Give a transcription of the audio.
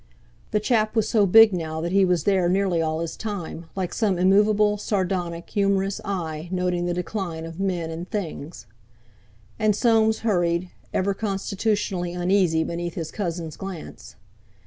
The chap was so big now that he was there nearly all his time, like some immovable, sardonic, humorous eye noting the decline of men and things. And Soames hurried, ever constitutionally uneasy beneath his cousin's glance.